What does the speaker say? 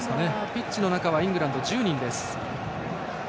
ピッチの中は今イングランド、１０人です。